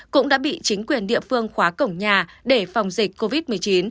cũng đã bị chính quyền địa phương khóa cổng nhà để phòng dịch covid một mươi chín